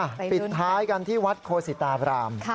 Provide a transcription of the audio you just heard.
ปิดท้ายกันที่วัดโคสิตาบราม